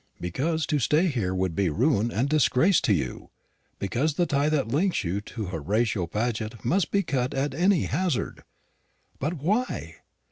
"Because to stay here would be ruin and disgrace to you; because the tie that links you to Horatio Paget must be cut at any hazard." "But why?"